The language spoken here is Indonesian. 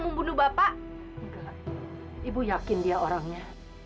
ibu yakin dia orangnya